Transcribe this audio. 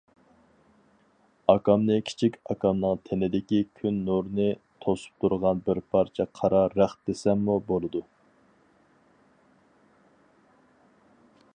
ئاكامنى كىچىك ئاكامنىڭ تېنىدىكى كۈن نۇرنى توسۇپ تۇرغان بىر پارچە قارا رەخت دېسەممۇ بولىدۇ.